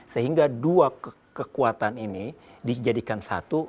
sehingga dua kekuatan ini dijadikan satu